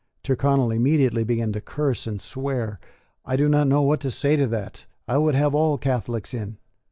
Tyrconnel immediately began to curse and swear. "I do not know what to say to that; I would have all Catholics in."